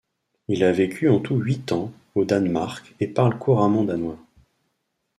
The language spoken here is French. Il a vécu en tout huit ans au Danemark et parle couramment danois.